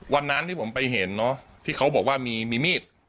วันนั้นที่ผมไปเห็นเนอะที่เขาบอกว่ามีมีด